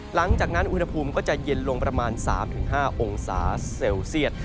หลังจากนั้นอุณหภูมิก็จะเย็นลงประมาณ๓๕องศาเซลเซียต